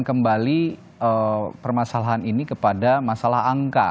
dan kembali permasalahan ini kepada masalah angka